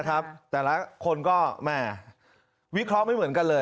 แต่ละคนก็แม่วิเคราะห์ไม่เหมือนกันเลย